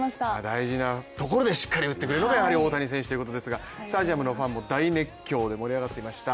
大事なところでしっかり打ってくれるのがやっぱり大谷選手ということですがスタジアムのファンも大熱狂で盛り上がっていました。